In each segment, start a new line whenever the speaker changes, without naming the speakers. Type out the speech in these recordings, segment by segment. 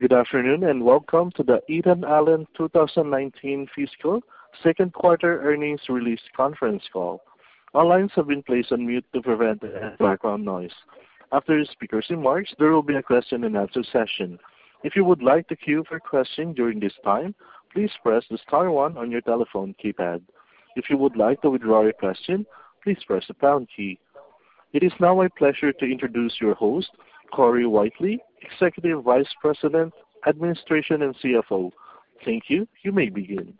Good afternoon, welcome to the Ethan Allen 2019 Fiscal Second Quarter Earnings Release Conference Call. All lines have been placed on mute to prevent any background noise. After the speakers' remarks, there will be a question-and-answer session. If you would like to queue for a question during this time, please press star one on your telephone keypad. If you would like to withdraw your question, please press the pound key. It is now my pleasure to introduce your host, Corey Whitely, Executive Vice President, Administration and CFO. Thank you. You may begin.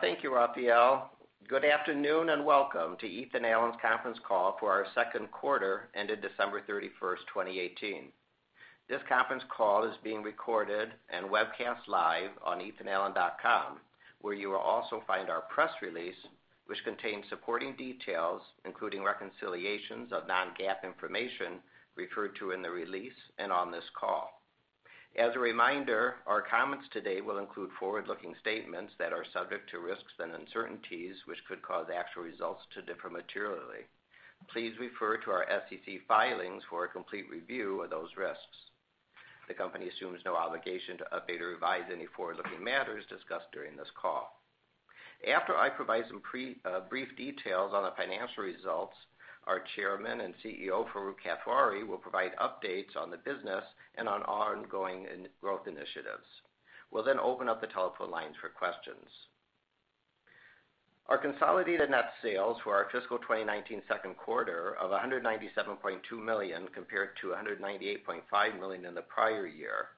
Thank you, Rafael. Good afternoon, welcome to Ethan Allen's conference call for our second quarter ended December 31st, 2018. This conference call is being recorded and webcast live on ethanallen.com, where you will also find our press release, which contains supporting details, including reconciliations of non-GAAP information referred to in the release and on this call. As a reminder, our comments today will include forward-looking statements that are subject to risks and uncertainties, which could cause actual results to differ materially. Please refer to our SEC filings for a complete review of those risks. The company assumes no obligation to update or revise any forward-looking matters discussed during this call. After I provide some brief details on the financial results, our Chairman and CEO, Farooq Kathwari, will provide updates on the business and on ongoing growth initiatives. We'll open up the telephone lines for questions. Our consolidated net sales for our fiscal 2019 second quarter of $197.2 million compared to $198.5 million in the prior year,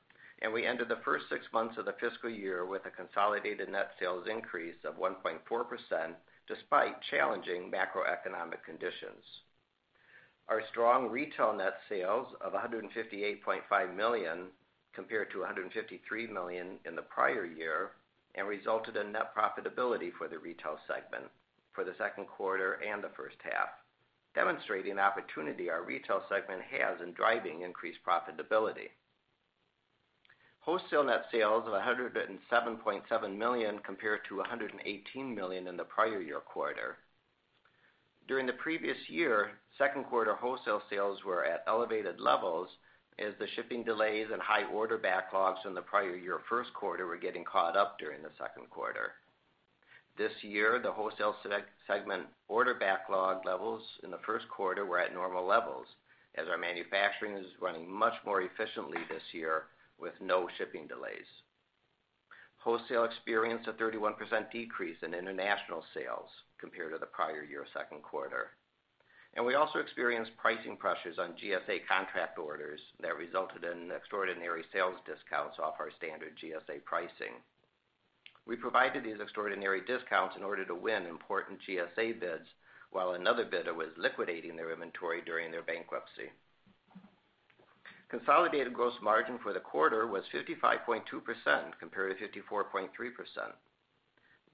we ended the first six months of the fiscal year with a consolidated net sales increase of 1.4%, despite challenging macroeconomic conditions. Our strong retail net sales of $158.5 million compare to $153 million in the prior year and resulted in net profitability for the retail segment for the second quarter and the first half, demonstrating the opportunity our retail segment has in driving increased profitability. Wholesale net sales of $107.7 million compare to $118 million in the prior year quarter. During the previous year, second quarter wholesale sales were at elevated levels as the shipping delays and high order backlogs in the prior year first quarter were getting caught up during the second quarter. This year, the wholesale segment order backlog levels in the first quarter were at normal levels, as our manufacturing is running much more efficiently this year with no shipping delays. Wholesale experienced a 31% decrease in international sales compared to the prior year second quarter. We also experienced pricing pressures on GSA contract orders that resulted in extraordinary sales discounts off our standard GSA pricing. We provided these extraordinary discounts in order to win important GSA bids while another bidder was liquidating their inventory during their bankruptcy. Consolidated gross margin for the quarter was 55.2% compared to 54.3%.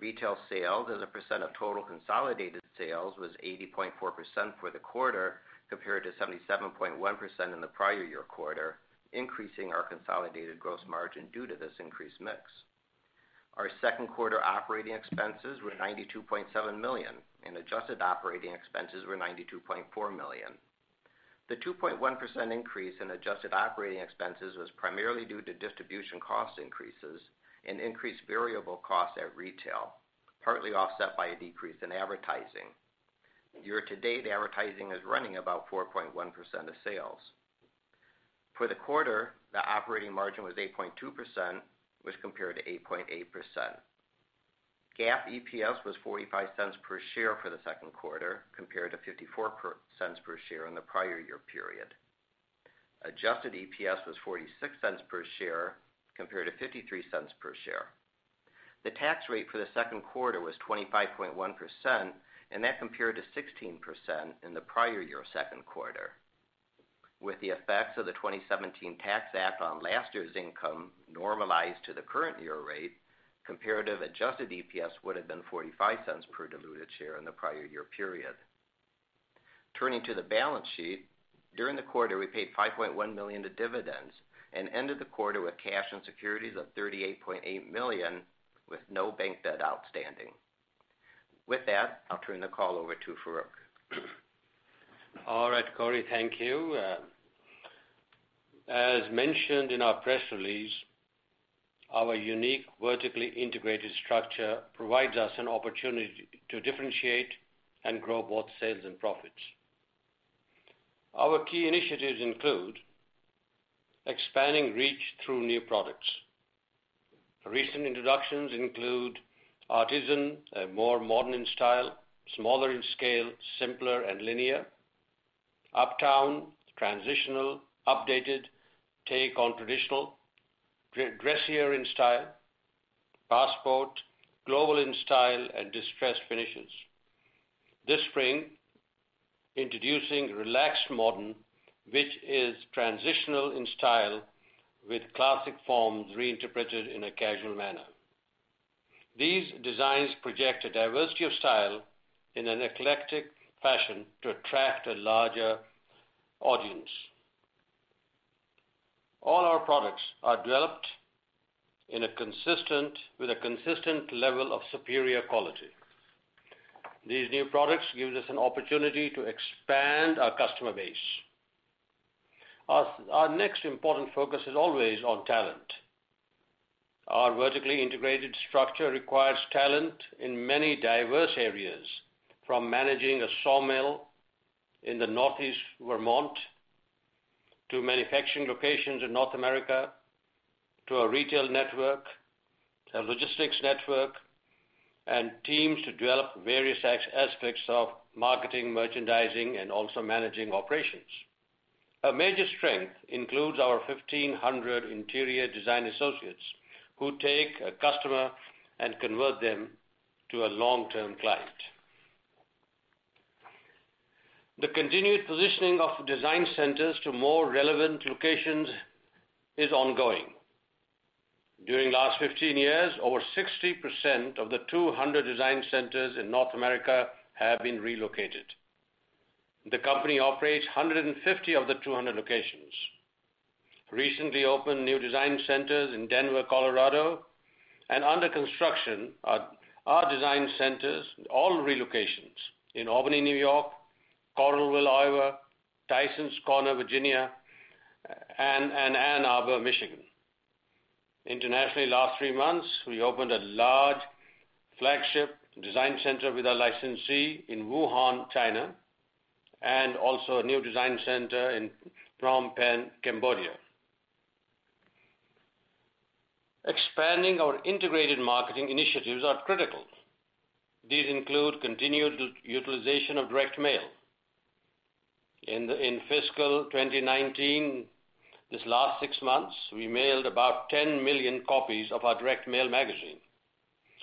Retail sales as a percent of total consolidated sales was 80.4% for the quarter, compared to 77.1% in the prior year quarter, increasing our consolidated gross margin due to this increased mix. Our second quarter operating expenses were $92.7 million, and adjusted operating expenses were $92.4 million. The 2.1% increase in adjusted operating expenses was primarily due to distribution cost increases and increased variable costs at retail, partly offset by a decrease in advertising. Year-to-date advertising is running about 4.1% of sales. For the quarter, the operating margin was 8.2%, which compared to 8.8%. GAAP EPS was $0.45 per share for the second quarter, compared to $0.54 per share in the prior year period. Adjusted EPS was $0.46 per share, compared to $0.53 per share. The tax rate for the second quarter was 25.1%, and that compared to 16% in the prior year second quarter. With the effects of the 2017 Tax Act on last year's income normalized to the current year rate, comparative adjusted EPS would have been $0.45 per diluted share in the prior year period. Turning to the balance sheet, during the quarter, we paid $5.1 million in dividends and ended the quarter with cash and securities of $38.8 million, with no bank debt outstanding. With that, I'll turn the call over to Farooq.
All right, Corey. Thank you. As mentioned in our press release, our unique vertically integrated structure provides us an opportunity to differentiate and grow both sales and profits. Our key initiatives include expanding reach through new products. Recent introductions include Artisan, more modern in style, smaller in scale, simpler and linear. Uptown, transitional, updated take on traditional, dressier in style. Passport, global in style and distressed finishes. This spring, introducing Relaxed Modern, which is transitional in style with classic forms reinterpreted in a casual manner. These designs project a diversity of style in an eclectic fashion to attract a larger audience. All our products are developed with a consistent level of superior quality. These new products gives us an opportunity to expand our customer base. Our next important focus is always on talent. Our vertically integrated structure requires talent in many diverse areas, from managing a sawmill in the Northeast Vermont, to manufacturing locations in North America, to a retail network, a logistics network, and teams to develop various aspects of marketing, merchandising, and also managing operations. A major strength includes our 1,500 interior design associates, who take a customer and convert them to a long-term client. The continued positioning of design centers to more relevant locations is ongoing. During last 15 years, over 60% of the 200 design centers in North America have been relocated. The company operates 150 of the 200 locations. Recently opened new design centers in Denver, Colorado, and under construction are design centers, all relocations, in Albany, N.Y., Coralville, Iowa, Tysons Corner, Virginia, and Ann Arbor, Michigan. Internationally, last three months, we opened a large flagship design center with our licensee in Wuhan, China, and also a new design center in Phnom Penh, Cambodia. Expanding our integrated marketing initiatives are critical. These include continued utilization of direct mail. In fiscal 2019, this last six months, we mailed about 10 million copies of our direct mail magazine.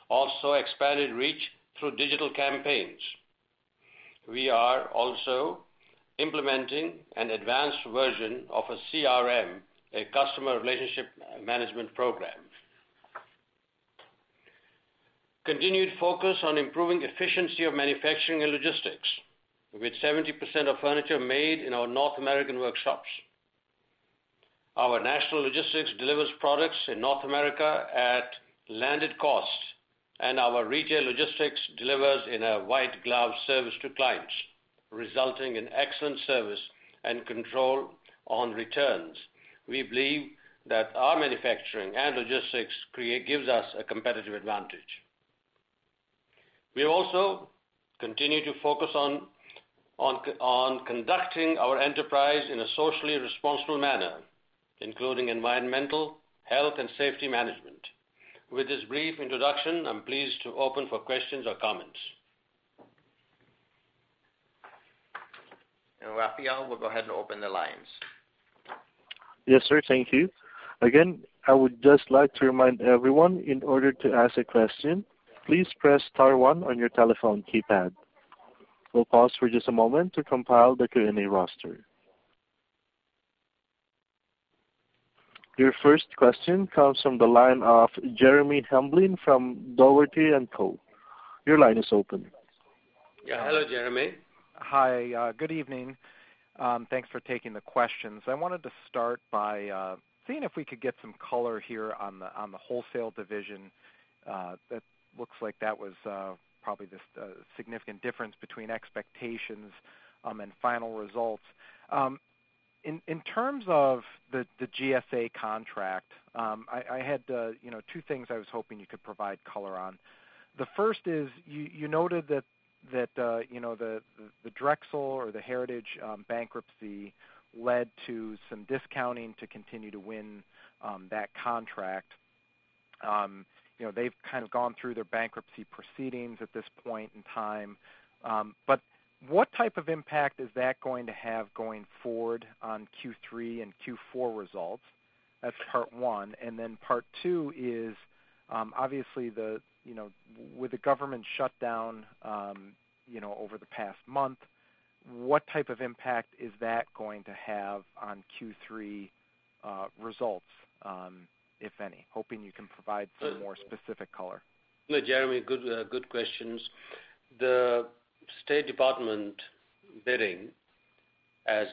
Expanded reach through digital campaigns. We are also implementing an advanced version of a CRM, a customer relationship management program. Continued focus on improving efficiency of manufacturing and logistics, with 70% of furniture made in our North American workshops. Our national logistics delivers products in North America at landed cost, and our retail logistics delivers in a white glove service to clients, resulting in excellent service and control on returns. We believe that our manufacturing and logistics gives us a competitive advantage. We also continue to focus on conducting our enterprise in a socially responsible manner, including environmental, health, and safety management. With this brief introduction, I'm pleased to open for questions or comments.
Rafael will go ahead and open the lines.
Yes, sir. Thank you. Again, I would just like to remind everyone, in order to ask a question, please press star one on your telephone keypad. We'll pause for just a moment to compile the Q&A roster. Your first question comes from the line of Jeremy Hamblin from Dougherty & Company. Your line is open.
Yeah. Hello, Jeremy.
Hi. Good evening. Thanks for taking the questions. I wanted to start by seeing if we could get some color here on the wholesale division. It looks like that was probably the significant difference between expectations and final results. In terms of the GSA contract, I had two things I was hoping you could provide color on. The first is, you noted that the Drexel or the Heritage bankruptcy led to some discounting to continue to win that contract. They've kind of gone through their bankruptcy proceedings at this point in time. What type of impact is that going to have going forward on Q3 and Q4 results? That's part one. Then part two is, obviously with the government shutdown over the past month, what type of impact is that going to have on Q3 results, if any? Hoping you can provide some more specific color.
Jeremy, good questions. The State Department bidding, as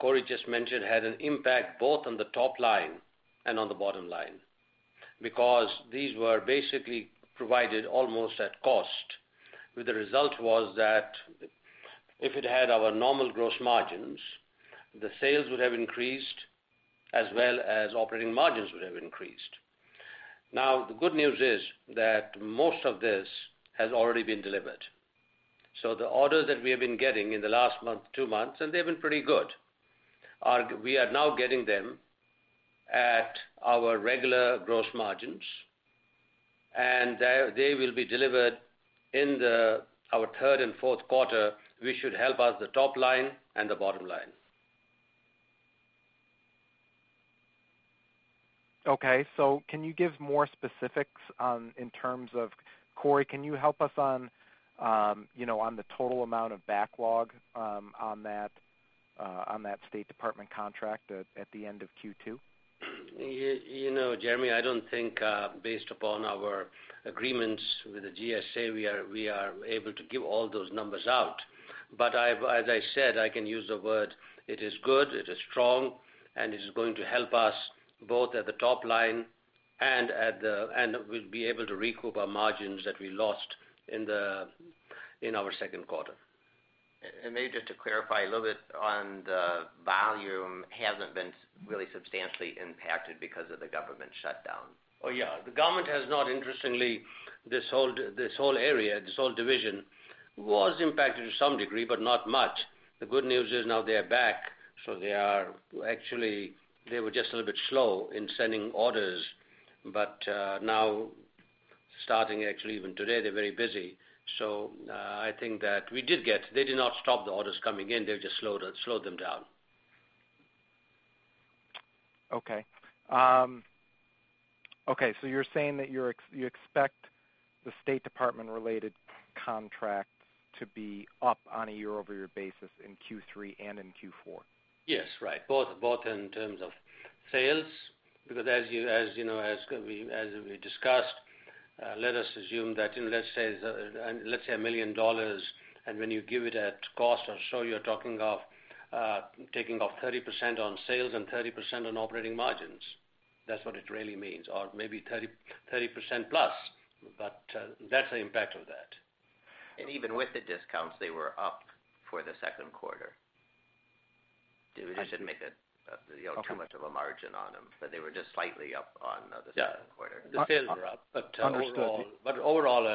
Corey just mentioned, had an impact both on the top line and on the bottom line, because these were basically provided almost at cost, with the result was that if it had our normal gross margins, the sales would have increased as well as operating margins would have increased. Now, the good news is that most of this has already been delivered. The orders that we have been getting in the last month, two months, and they've been pretty good. We are now getting them at our regular gross margins, and they will be delivered in our third and fourth quarter, which should help us the top line and the bottom line.
Okay. Can you give more specifics in terms of Corey, can you help us on the total amount of backlog on that State Department contract at the end of Q2?
Jeremy, I don't think based upon our agreements with the GSA, we are able to give all those numbers out. But as I said, I can use the word, it is good, it is strong, and it is going to help us both at the top line, and we'll be able to recoup our margins that we lost in our second quarter.
Maybe just to clarify a little bit on the volume hasn't been really substantially impacted because of the government shutdown.
Oh, yeah. The government has not, interestingly, this whole area, this whole division was impacted to some degree, but not much. The good news is now they are back. They were just a little bit slow in sending orders. Now, starting actually even today, they're very busy. I think that they did not stop the orders coming in. They just slowed them down.
Okay. You're saying that you expect the State Department related contracts to be up on a year-over-year basis in Q3 and in Q4?
Yes. Right. Both in terms of sales, because as we discussed, let us assume that, let's say $1 million, and when you give it at cost or so, you're talking of taking off 30% on sales and 30% on operating margins. That's what it really means, or maybe 30%+. That's the impact of that.
Even with the discounts, they were up for the second quarter. They shouldn't make too much of a margin on them, but they were just slightly up on the second quarter.
The sales were up.
Understood.
Overall,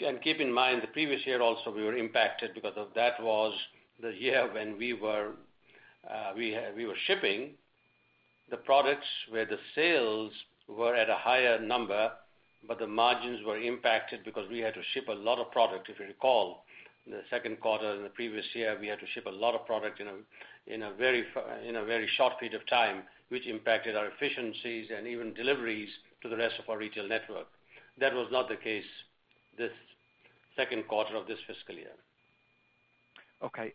and keep in mind, the previous year also, we were impacted because that was the year when we were shipping the products where the sales were at a higher number, but the margins were impacted because we had to ship a lot of product, if you recall. The second quarter in the previous year, we had to ship a lot of product in a very short period of time, which impacted our efficiencies and even deliveries to the rest of our retail network. That was not the case this second quarter of this fiscal year.
Okay.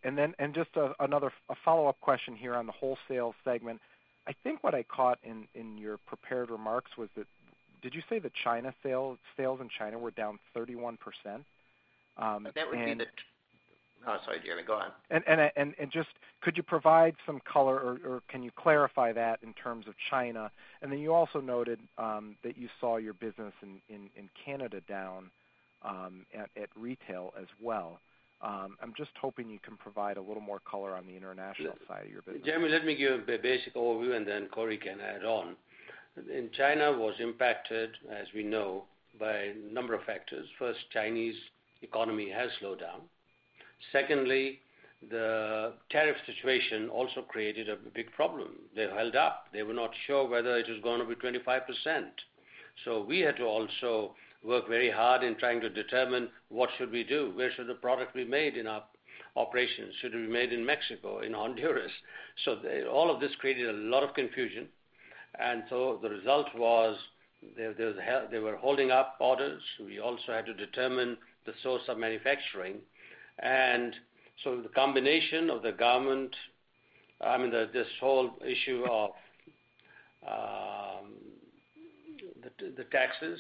Just a follow-up question here on the wholesale segment. I think what I caught in your prepared remarks was that, did you say that sales in China were down 31%?
Oh, sorry, Jeremy. Go on.
Just could you provide some color, or can you clarify that in terms of China? Then you also noted that you saw your business in Canada down at retail as well. I'm just hoping you can provide a little more color on the international side of your business.
Jeremy, let me give a basic overview, then Corey can add on. China was impacted, as we know, by a number of factors. First, Chinese economy has slowed down. Secondly, the tariff situation also created a big problem. They held up. They were not sure whether it was going to be 25%. We had to also work very hard in trying to determine what should we do, where should the product be made in our operations. Should it be made in Mexico, in Honduras? All of this created a lot of confusion, the result was they were holding up orders. We also had to determine the source of manufacturing. The combination of this whole issue of the taxes,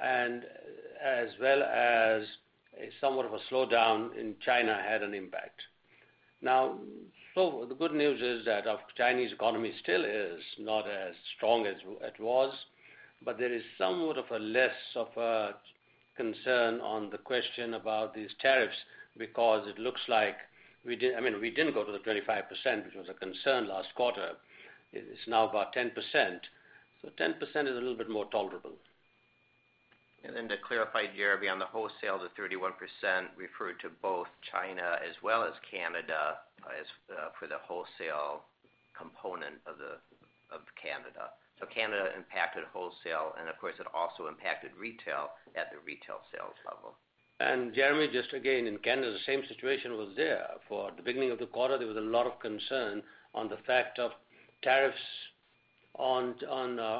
as well as somewhat of a slowdown in China, had an impact. The good news is that the Chinese economy still is not as strong as it was, there is somewhat of a less of a concern on the question about these tariffs. It looks like we didn't go to the 25%, which was a concern last quarter. It's now about 10%. 10% is a little bit more tolerable.
To clarify, Jeremy, on the wholesale, the 31% referred to both China as well as Canada for the wholesale component of Canada. Canada impacted wholesale, and of course, it also impacted retail at the retail sales level.
Jeremy, just again, in Canada, the same situation was there. For the beginning of the quarter, there was a lot of concern on the fact of tariffs on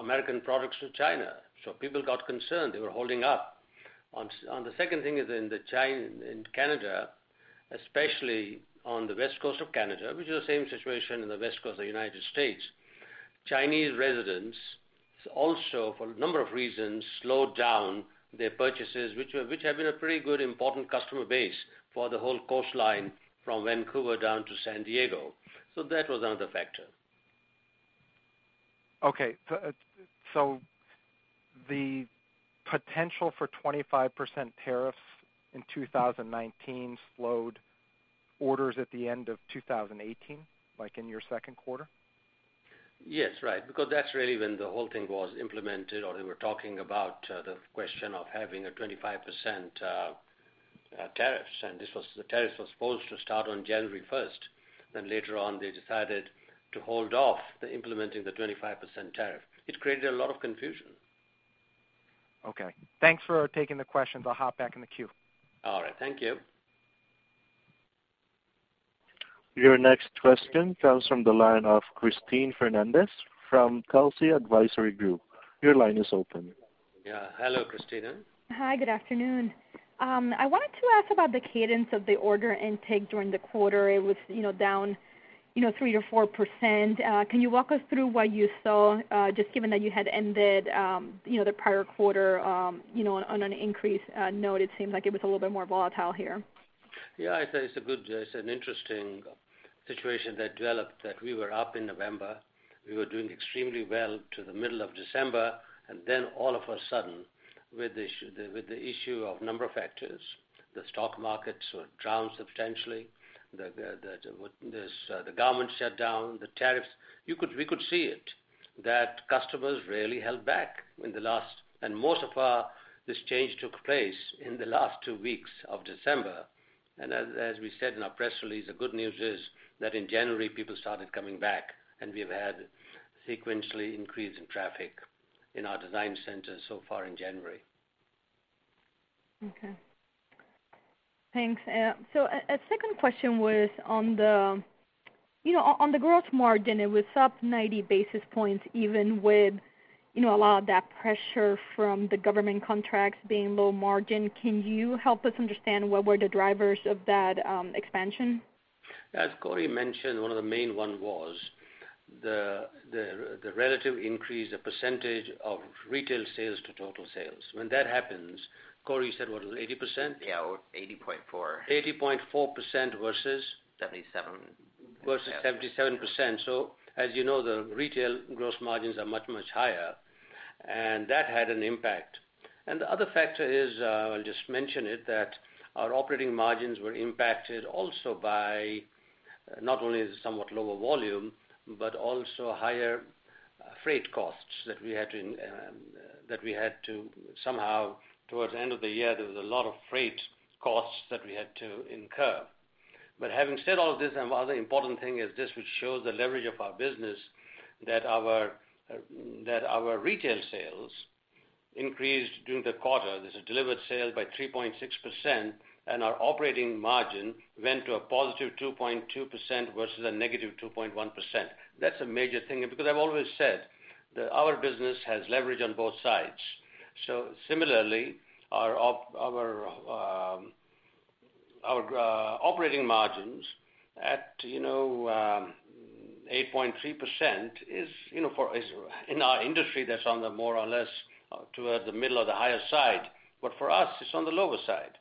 American products to China. People got concerned. They were holding up. The second thing is in Canada, especially on the west coast of Canada, which is the same situation in the west coast of the U.S., Chinese residents also, for a number of reasons, slowed down their purchases, which have been a pretty good important customer base for the whole coastline from Vancouver down to San Diego. That was another factor.
The potential for 25% tariffs in 2019 slowed orders at the end of 2018, like in your second quarter?
Yes. Right. Because that's really when the whole thing was implemented, or they were talking about the question of having a 25% tariff. The tariff was supposed to start on January 1st, later on, they decided to hold off the implementing the 25% tariff. It created a lot of confusion.
Okay. Thanks for taking the questions. I'll hop back in the queue.
All right. Thank you.
Your next question comes from the line of Cristina Fernandez from Telsey Advisory Group. Your line is open.
Hello, Cristina.
Hi, good afternoon. I wanted to ask about the cadence of the order intake during the quarter. It was down 3%-4%. Can you walk us through what you saw, just given that you had ended the prior quarter on an increase note? It seems like it was a little bit more volatile here.
It's an interesting situation that developed that we were up in November. We were doing extremely well to the middle of December, then all of a sudden, with the issue of a number of factors, the stock markets were down substantially. There's the government shutdown, the tariffs. We could see it, that customers really held back in the last Most of our, this change took place in the last two weeks of December. As we said in our press release, the good news is that in January, people started coming back, and we have had sequentially increase in traffic in our design centers so far in January.
Thanks. A second question was on the gross margin, it was up 90 basis points even with a lot of that pressure from the government contracts being low margin. Can you help us understand what were the drivers of that expansion?
As Corey mentioned, one of the main one was the relative increase, the percentage of retail sales to total sales. When that happens, Corey said, what was it, 80%?
Yeah, 80.4.
80.4% versus?
77.
Versus 77%. As you know, the retail gross margins are much, much higher, and that had an impact. The other factor is, I'll just mention it, that our operating margins were impacted also by not only the somewhat lower volume but also higher freight costs that we had to, somehow, towards the end of the year, there was a lot of freight costs that we had to incur. Having said all of this, and one other important thing is this, which shows the leverage of our business, that our retail sales increased during the quarter. There's a delivered sale by 3.6%, and our operating margin went to a positive 2.2% versus a negative 2.1%. That's a major thing because I've always said that our business has leverage on both sides. Similarly, our operating margins at 8.3% is, in our industry, that's on the more or less towards the middle of the higher side, but for us, it's on the lower side.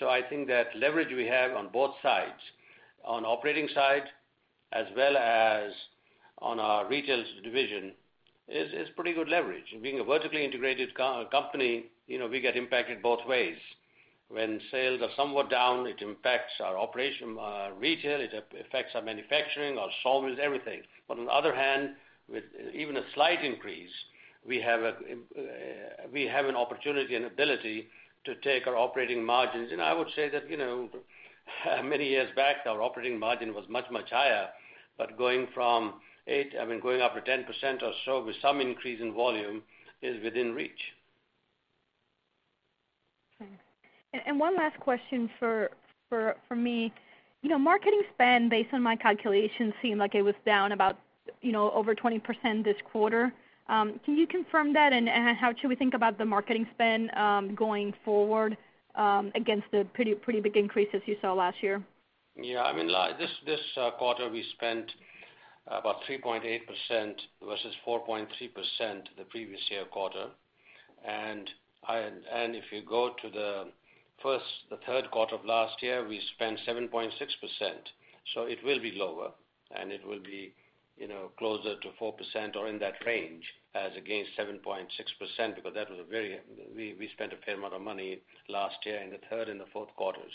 I think that leverage we have on both sides, on operating side as well as on our retails division, is pretty good leverage. Being a vertically integrated company, we get impacted both ways. When sales are somewhat down, it impacts our retail, it affects our manufacturing, our solvents, everything. On the other hand, with even a slight increase, we have an opportunity and ability to take our operating margins. I would say that many years back, our operating margin was much, much higher. Going up to 10% or so with some increase in volume is within reach.
Okay. One last question for me. Marketing spend, based on my calculations, seemed like it was down about over 20% this quarter. Can you confirm that, and how should we think about the marketing spend going forward against the pretty big increases you saw last year?
Yeah. This quarter, we spent about 3.8% versus 4.3% the previous year quarter. If you go to the third quarter of last year, we spent 7.6%. It will be lower, and it will be closer to 4% or in that range as against 7.6%, because we spent a fair amount of money last year in the third and the fourth quarters.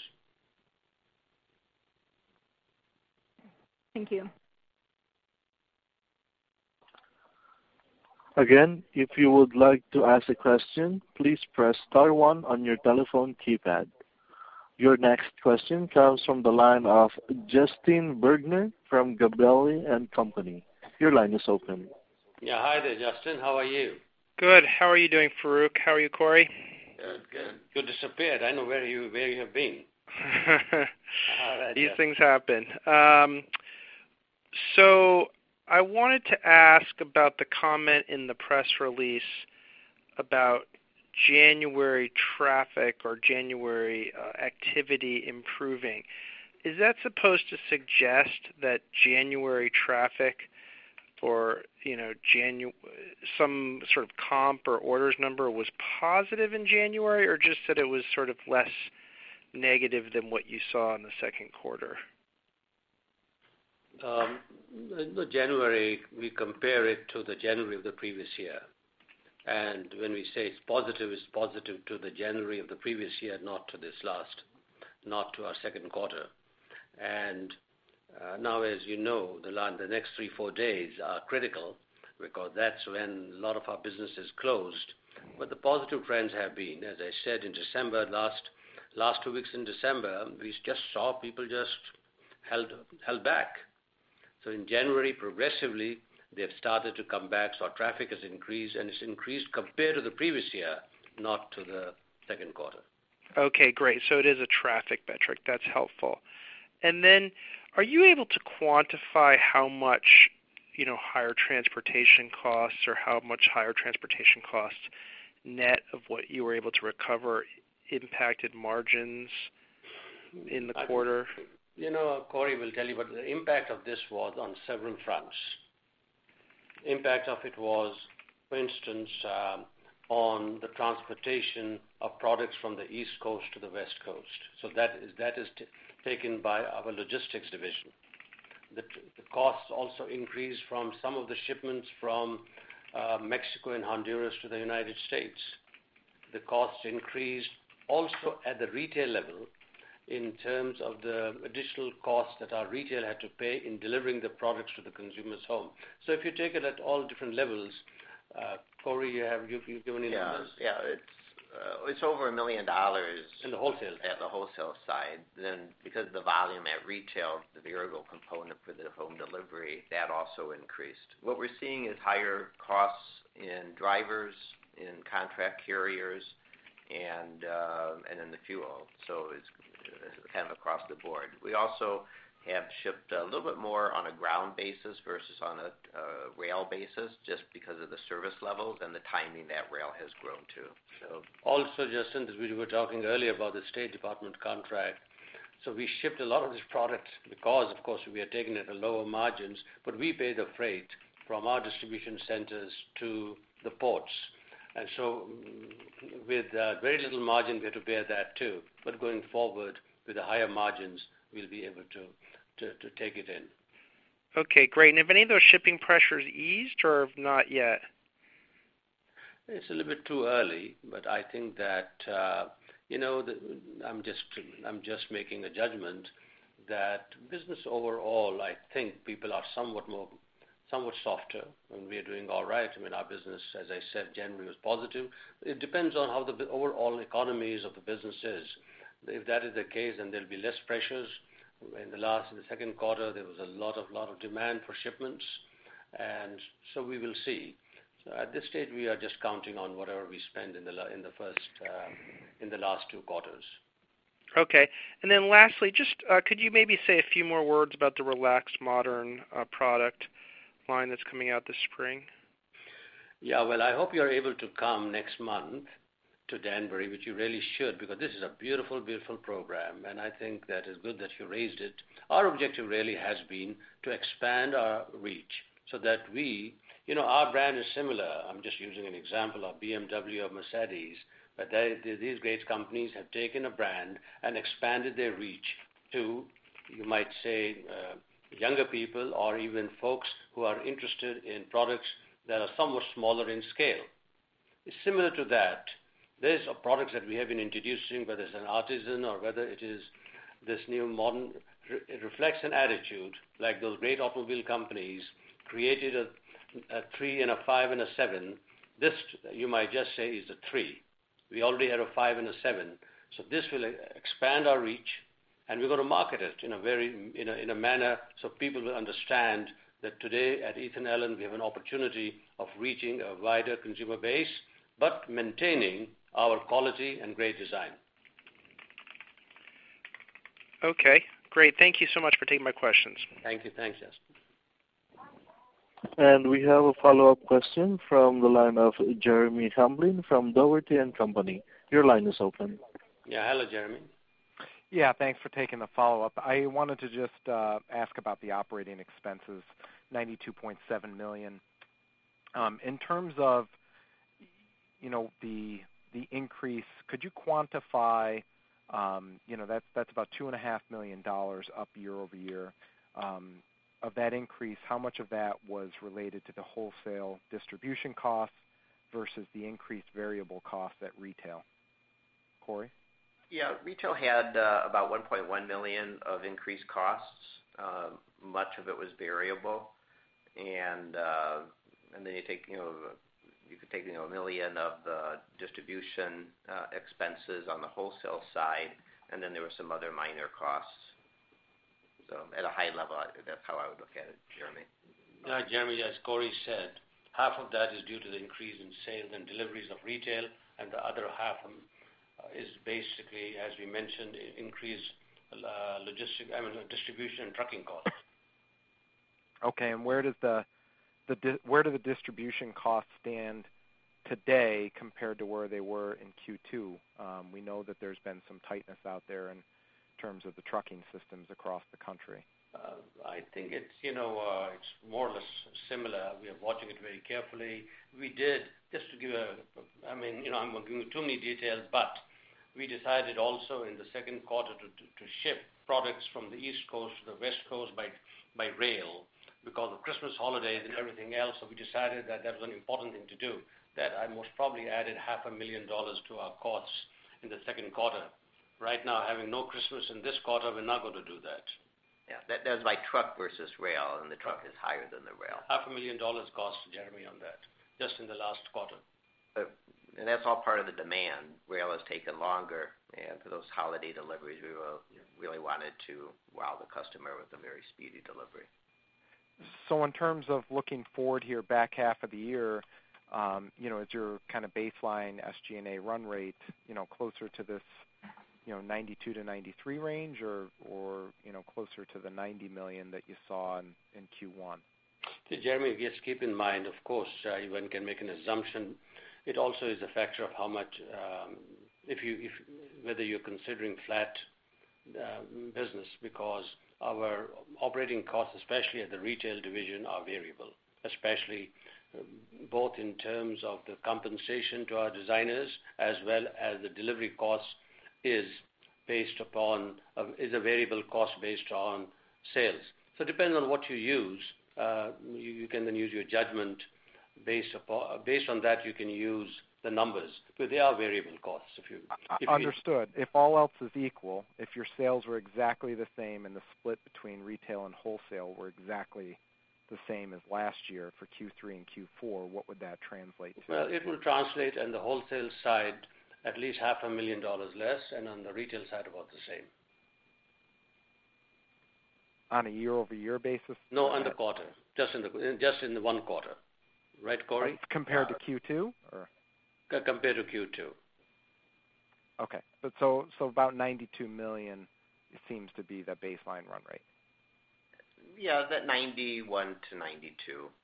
Thank you.
Again, if you would like to ask a question, please press star one on your telephone keypad. Your next question comes from the line of Justin Bergner from Gabelli & Company. Your line is open.
Yeah. Hi there, Justin. How are you?
Good. How are you doing, Farooq? How are you, Corey?
Good. You disappeared. I don't know where you have been.
These things happen. I wanted to ask about the comment in the press release about January traffic or January activity improving. Is that supposed to suggest that January traffic or some sort of comp or orders number was positive in January, or just that it was sort of less negative than what you saw in the second quarter?
January, we compare it to the January of the previous year. When we say it's positive, it's positive to the January of the previous year, not to our second quarter. Now as you know, the next three, four days are critical because that's when a lot of our business is closed. The positive trends have been, as I said, in December, last two weeks in December, we just saw people just held back. In January, progressively, they've started to come back. Traffic has increased, and it's increased compared to the previous year, not to the second quarter.
Okay, great. It is a traffic metric. That's helpful. Then are you able to quantify how much higher transportation costs or how much higher transportation costs net of what you were able to recover impacted margins in the quarter?
Corey will tell you, the impact of this was on several fronts. Impact of it was, for instance, on the transportation of products from the East Coast to the West Coast. That is taken by our logistics division. The costs also increased from some of the shipments from Mexico and Honduras to the United States. The costs increased also at the retail level in terms of the additional costs that our retail had to pay in delivering the products to the consumer's home. If you take it at all different levels, Corey, you have given any numbers?
Yeah. It's over $1 million
In the wholesale
at the wholesale side. Because the volume at retail, the variable component for the home delivery, that also increased. What we're seeing is higher costs in drivers, in contract carriers, and in the fuel, so it's kind of across the board. We also have shipped a little bit more on a ground basis versus on a rail basis just because of the service level than the timing that rail has grown to.
Justin, as we were talking earlier about the State Department contract, we shipped a lot of these products because, of course, we are taking it at lower margins, but we pay the freight from our distribution centers to the ports. With very little margin, we have to bear that too. Going forward, with the higher margins, we'll be able to take it in.
Okay, great. Have any of those shipping pressures eased or not yet?
It's a little bit too early, but I think that, I mean, I'm just making a judgment that business overall, I think people are somewhat softer, and we are doing all right. Our business, as I said, January was positive. It depends on how the overall economies of the business is. If that is the case, then there'll be less pressures. In the second quarter, there was a lot of demand for shipments. We will see. At this stage, we are just counting on whatever we spend in the last two quarters.
Okay. Lastly, just could you maybe say a few more words about the Relaxed Modern product line that's coming out this spring?
Yeah. Well, I hope you're able to come next month to Danbury, which you really should, because this is a beautiful program, and I think that it's good that you raised it. Our objective really has been to expand our reach so that we, our brand is similar. I'm just using an example of BMW or Mercedes-Benz. These great companies have taken a brand and expanded their reach to, you might say, younger people or even folks who are interested in products that are somewhat smaller in scale. Similar to that, there's products that we have been introducing, whether it's an Artisan or whether it is this new modern. It reflects an attitude like those great automobile companies created a three and a five, and a seven. This, you might just say, is a three. We already had a five and a seven. This will expand our reach, and we're going to market it in a manner so people will understand that today at Ethan Allen, we have an opportunity of reaching a wider consumer base, but maintaining our quality and great design.
Okay, great. Thank you so much for taking my questions.
Thank you. Thanks, Justin.
We have a follow-up question from the line of Jeremy Hamblin from Dougherty & Company. Your line is open.
Hello, Jeremy.
Thanks for taking the follow-up. I wanted to just ask about the operating expenses, $92.7 million. In terms of the increase, could you quantify, that's about $2.5 million up year-over-year. Of that increase, how much of that was related to the wholesale distribution costs versus the increased variable cost at retail? Corey?
Retail had about $1.1 million of increased costs. Much of it was variable. You could take $1 million of the distribution expenses on the wholesale side, there were some other minor costs. At a high level, that's how I would look at it, Jeremy.
Jeremy, as Corey said, half of that is due to the increase in sales and deliveries of retail, the other half is basically, as we mentioned, increased logistic, I mean, distribution and trucking costs.
Okay. Where do the distribution costs stand today compared to where they were in Q2? We know that there's been some tightness out there in terms of the trucking systems across the country.
I think it's more or less similar. We are watching it very carefully. We did, I'm not giving too many details, but we decided also in the second quarter to ship products from the East Coast to the West Coast by rail because of Christmas holidays and everything else, so we decided that that was an important thing to do. That almost probably added half a million dollars to our costs in the second quarter. Right now, having no Christmas in this quarter, we're not going to do that.
Yeah. That was by truck versus rail, and the truck is higher than the rail.
Half a million dollars cost, Jeremy, on that, just in the last quarter.
That's all part of the demand. Rail has taken longer, and for those holiday deliveries, we really wanted to wow the customer with a very speedy delivery.
In terms of looking forward here back half of the year, is your baseline SG&A run rate closer to this $92 million-$93 million range or closer to the $90 million that you saw in Q1?
Jeremy, just keep in mind, of course, one can make an assumption. It also is a factor of how much, whether you're considering flat business because our operating costs, especially at the retail division, are variable, especially both in terms of the compensation to our designers as well as the delivery cost is a variable cost based on sales. It depends on what you use. You can then use your judgment. Based on that, you can use the numbers. They are variable costs if you
Understood. If all else is equal, if your sales were exactly the same and the split between retail and wholesale were exactly the same as last year for Q3 and Q4, what would that translate to?
Well, it will translate on the wholesale side at least half a million dollars less, and on the retail side, about the same.
On a year-over-year basis?
No, on the quarter, just in the one quarter. Right, Corey?
Compared to Q2?
Compared to Q2.
Okay. About $92 million seems to be the baseline run rate.
Yeah. That $91 million-$92 million.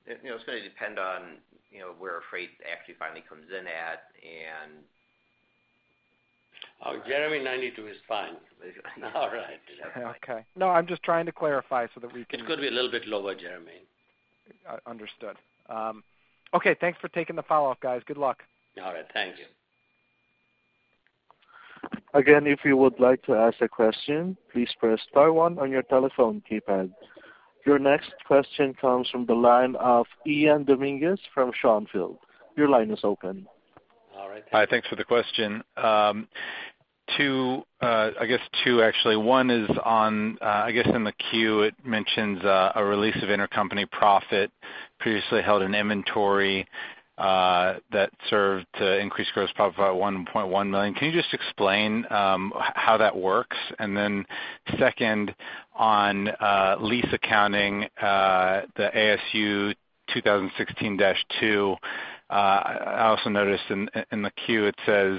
It's going to depend on where freight actually finally comes in at.
Jeremy, $92 million is fine. All right.
Okay. No, I'm just trying to clarify so that we can...
It could be a little bit lower, Jeremy.
Understood. Okay. Thanks for taking the follow-up, guys. Good luck.
All right. Thank you.
Again, if you would like to ask a question, please press star one on your telephone keypad. Your next question comes from the line of Ian Dominguez from Schonfeld. Your line is open.
All right.
Hi, thanks for the question. I guess two, actually. One is on, I guess in the 10-Q, it mentions a release of intercompany profit previously held in inventory, that served to increase gross profit by $1.1 million. Can you just explain how that works? Second, on lease accounting, the ASU 2016-02, I also noticed in the 10-Q it says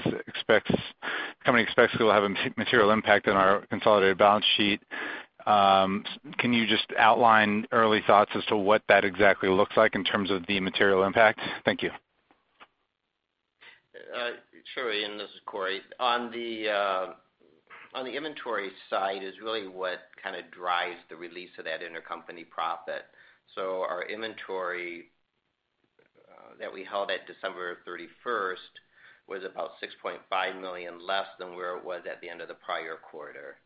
company expects it will have a material impact on our consolidated balance sheet. Can you just outline early thoughts as to what that exactly looks like in terms of the material impact? Thank you.
Sure, Ian. This is Corey. On the inventory side is really what kind of drives the release of that intercompany profit. Our inventory that we held at December 31st was about $6.5 million less than where it was at the end of the prior quarter.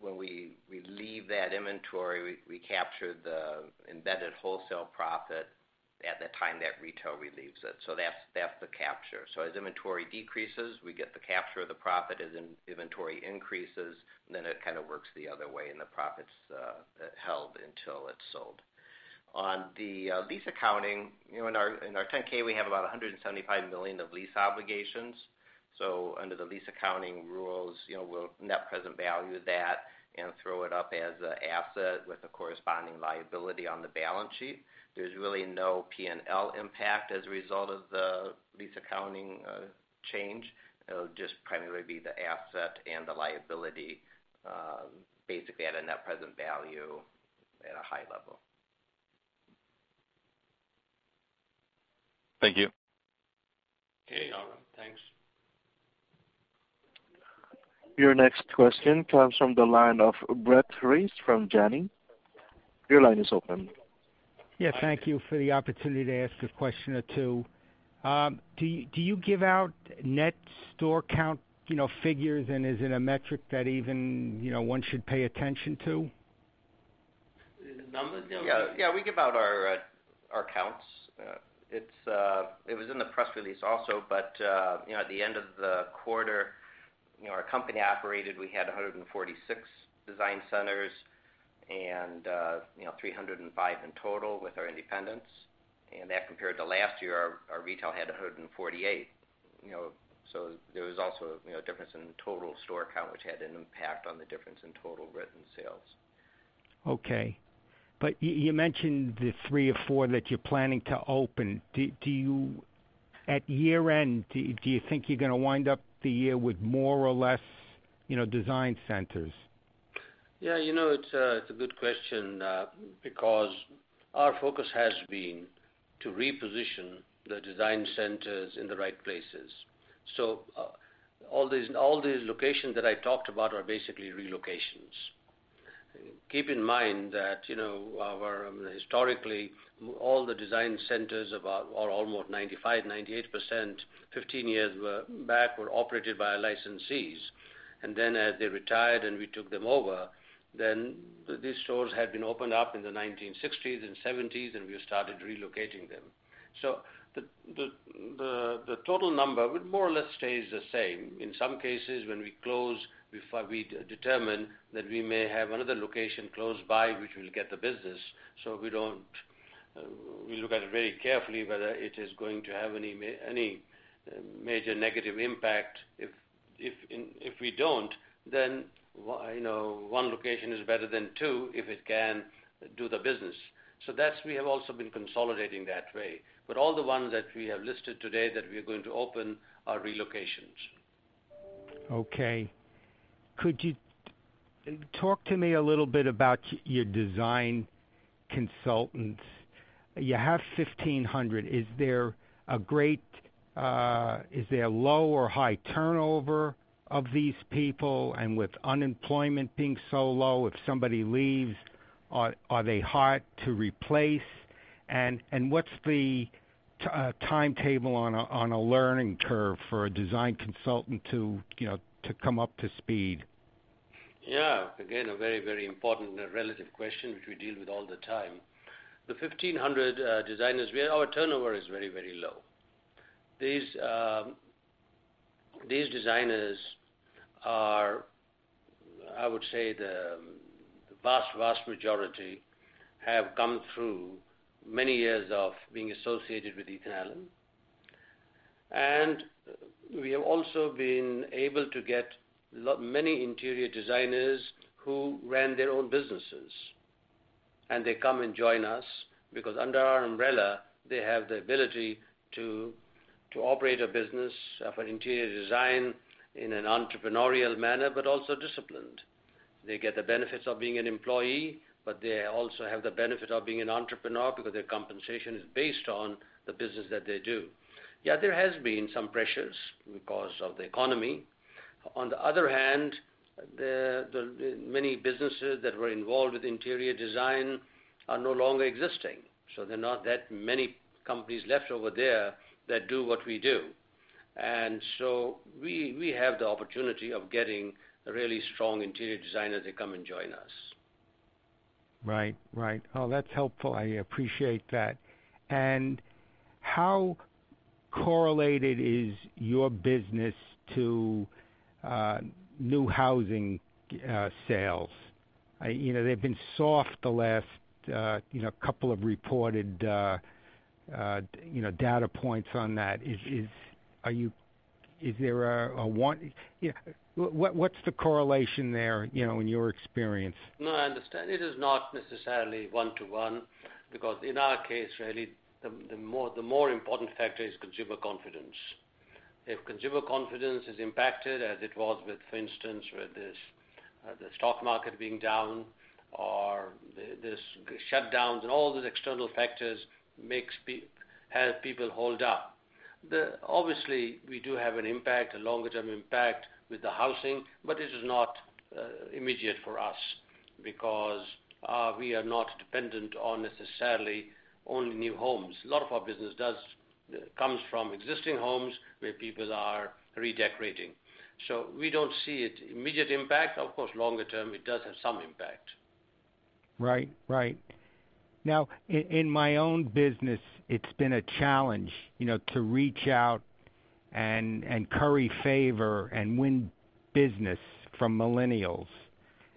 When we leave that inventory, we capture the embedded wholesale profit at the time that retail relieves it. That's the capture. As inventory decreases, we get the capture of the profit. As inventory increases, then it kind of works the other way, and the profit's held until it's sold. On the lease accounting, in our 10-K, we have about $175 million of lease obligations. Under the lease accounting rules, we'll net present value that and throw it up as an asset with a corresponding liability on the balance sheet. There's really no P&L impact as a result of the lease accounting change. It'll just primarily be the asset and the liability, basically at a net present value at a high level.
Thank you.
Okay. All right. Thanks.
Your next question comes from the line of Brett Reis from Janney. Your line is open.
Thank you for the opportunity to ask a question or two. Do you give out net store count figures, and is it a metric that even one should pay attention to?
Numbers?
We give out our accounts. It was in the press release also. At the end of the quarter, our company operated, we had 146 design centers and 305 in total with our independents. That compared to last year, our retail had 148. There was also a difference in total store count, which had an impact on the difference in total written sales.
Okay. You mentioned the three or four that you're planning to open. At year-end, do you think you're gonna wind up the year with more or less design centers?
It's a good question because our focus has been to reposition the design centers in the right places. All these locations that I talked about are basically relocations. Keep in mind that historically, all the design centers are almost 95%, 98%, 15 years back were operated by our licensees. As they retired and we took them over, then these stores had been opened up in the 1960s and '70s, and we started relocating them. The total number would more or less stay the same. In some cases, when we close, we determine that we may have another location close by which will get the business. We look at it very carefully whether it is going to have any major negative impact. If we don't, then one location is better than two if it can do the business. That's we have also been consolidating that way. All the ones that we have listed today that we are going to open are relocations.
Okay. Could you talk to me a little bit about your design consultants. You have 1,500. Is there a low or high turnover of these people? With unemployment being so low, if somebody leaves, are they hard to replace? What's the timetable on a learning curve for a design consultant to come up to speed?
Yeah. Again, a very important relative question, which we deal with all the time. The 1,500 designers, our turnover is very low. These designers are, I would say, the vast majority have come through many years of being associated with Ethan Allen. We have also been able to get many interior designers who ran their own businesses, and they come and join us, because under our umbrella, they have the ability to operate a business for interior design in an entrepreneurial manner, but also disciplined. They get the benefits of being an employee, but they also have the benefit of being an entrepreneur because their compensation is based on the business that they do. Yet there has been some pressures because of the economy. On the other hand, the many businesses that were involved with interior design are no longer existing. There are not that many companies left over there that do what we do. We have the opportunity of getting really strong interior designers to come and join us.
Right. Oh, that's helpful. I appreciate that. How correlated is your business to new housing sales? They've been soft the last couple of reported data points on that. What's the correlation there in your experience?
No, I understand. It is not necessarily one-to-one because in our case, really, the more important factor is consumer confidence. If consumer confidence is impacted, as it was with, for instance, with the stock market being down or the shutdowns and all those external factors have people holed up. Obviously, we do have an impact, a longer-term impact with the housing, but it is not immediate for us because we are not dependent on necessarily only new homes. A lot of our business comes from existing homes where people are redecorating. We don't see it immediate impact. Of course, longer term, it does have some impact.
Right. Now, in my own business, it's been a challenge to reach out and curry favor and win business from millennials.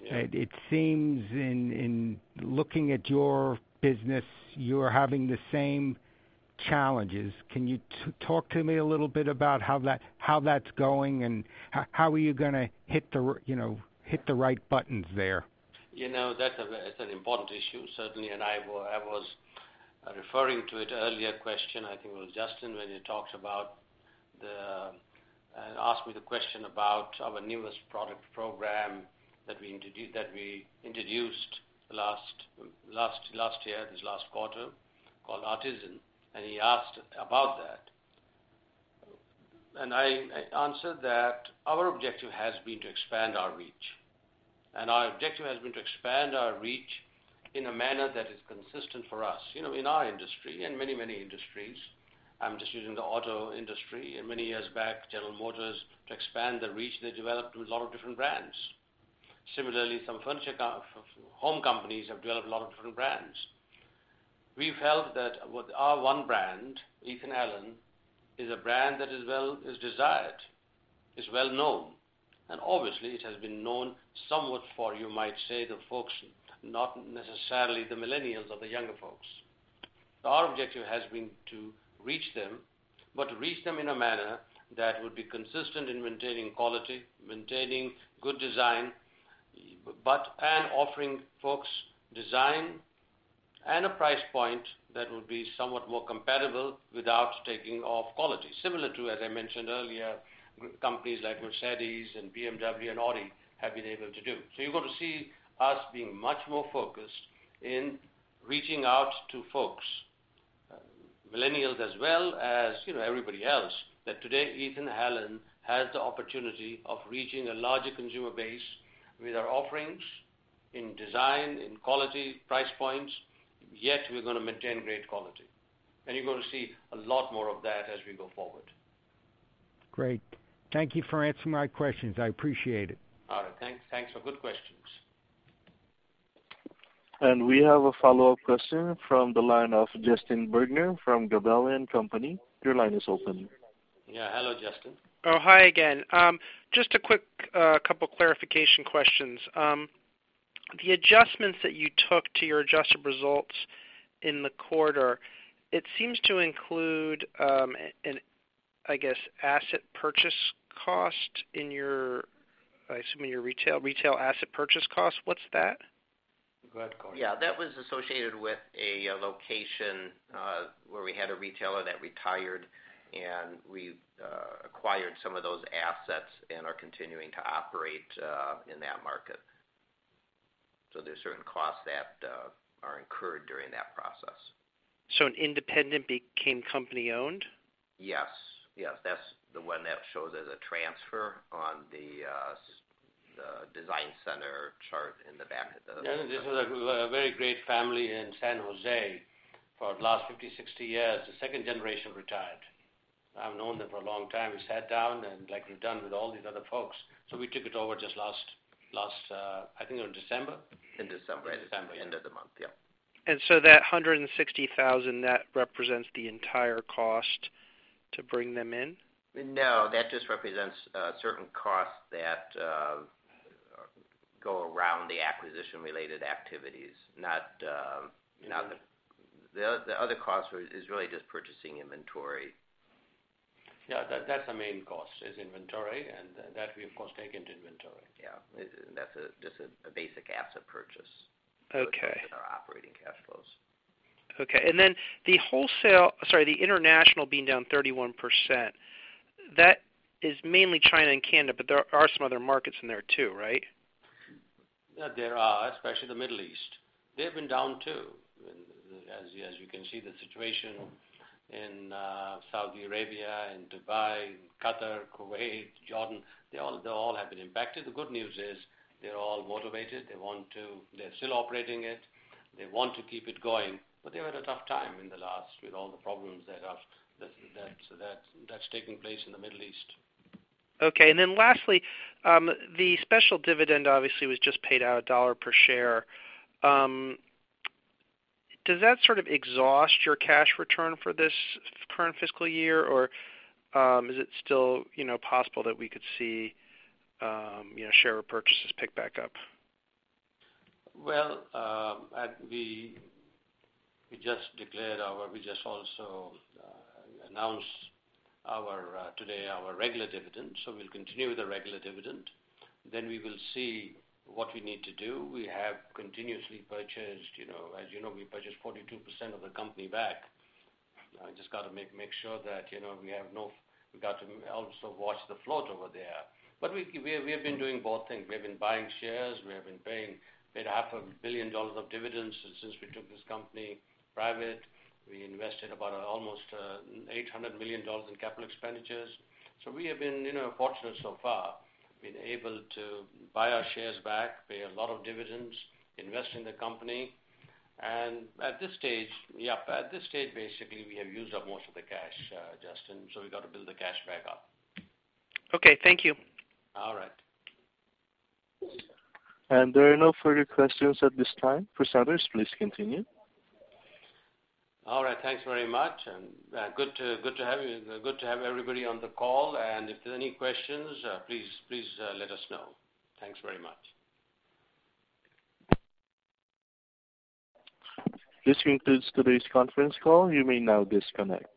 Yeah.
It seems in looking at your business, you're having the same challenges. Can you talk to me a little bit about how that's going, and how are you going to hit the right buttons there?
That's an important issue, certainly, and I was referring to it earlier question, I think it was Justin, when he asked me the question about our newest product program that we introduced this last quarter called Artisan, and he asked about that. I answered that our objective has been to expand our reach. Our objective has been to expand our reach in a manner that is consistent for us. In our industry and many industries, I'm just using the auto industry, many years back, General Motors to expand their reach, they developed a lot of different brands. Similarly, some furniture home companies have developed a lot of different brands. We felt that with our one brand, Ethan Allen, is a brand that is desired, is well-known, and obviously it has been known somewhat for, you might say, the folks, not necessarily the millennials or the younger folks. Our objective has been to reach them, but reach them in a manner that would be consistent in maintaining quality, maintaining good design, and offering folks design and a price point that would be somewhat more compatible without taking off quality. Similar to, as I mentioned earlier, companies like Mercedes-Benz and BMW and Audi have been able to do. You're going to see us being much more focused in reaching out to folks, millennials as well as everybody else, that today, Ethan Allen has the opportunity of reaching a larger consumer base with our offerings in design, in quality, price points, yet we're going to maintain great quality. You're going to see a lot more of that as we go forward.
Great. Thank you for answering my questions. I appreciate it.
All right. Thanks for good questions.
We have a follow-up question from the line of Justin Bergner from Gabelli & Company. Your line is open.
Yeah. Hello, Justin.
Oh, hi again. Just a quick couple clarification questions. The adjustments that you took to your adjusted results in the quarter, it seems to include, I guess, asset purchase cost in your, I assume, in your retail asset purchase cost. What's that?
Go ahead, Corey.
Yeah. That was associated with a location where we had a retailer that retired, and we acquired some of those assets and are continuing to operate in that market. There's certain costs that are incurred during that process.
An independent became company-owned?
Yes. That's the one that shows as a transfer on the design center chart in the back.
This is a very great family in San Jose for the last 50, 60 years. The second generation retired. I've known them for a long time. We sat down, and like we've done with all these other folks. We took it over just last, I think it was December.
In December.
In December.
End of the month, yeah.
That $160,000, that represents the entire cost to bring them in?
No, that just represents certain costs that go around the acquisition-related activities. The other cost is really just purchasing inventory.
Yeah, that's the main cost, is inventory. That we, of course, take into inventory.
Yeah. That's just a basic asset purchase.
Okay
with our operating cash flows.
Okay. The wholesale, sorry, the international being down 31%, that is mainly China and Canada, but there are some other markets in there too, right?
There are, especially the Middle East. They've been down too. As you can see, the situation in Saudi Arabia and Dubai, Qatar, Kuwait, Jordan, they all have been impacted. The good news is they're all motivated. They're still operating it. They want to keep it going, but they had a tough time in the last, with all the problems that's taking place in the Middle East.
Okay. Lastly, the special dividend obviously was just paid out $1 per share. Does that sort of exhaust your cash return for this current fiscal year, or is it still possible that we could see share purchases pick back up?
Well, we just also announced today our regular dividend, we'll continue with the regular dividend. We will see what we need to do. We have continuously purchased, as you know, we purchased 42% of the company back. I just got to make sure that we got to also watch the float over there. We have been doing both things. We have been buying shares. We have paid half a billion dollars of dividends since we took this company private. We invested about almost $800 million in capital expenditures. We have been fortunate so far, been able to buy our shares back, pay a lot of dividends, invest in the company. At this stage, basically, we have used up most of the cash, Justin, we got to build the cash back up.
Okay. Thank you.
All right.
There are no further questions at this time for presenters. Please continue.
All right. Thanks very much. Good to have everybody on the call. If there are any questions, please let us know. Thanks very much.
This concludes today's Conference call. You may now disconnect.